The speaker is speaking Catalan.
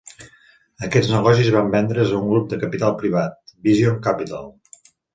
Aquests negocis van vendre's a un grup de capital privat, Vision Capital.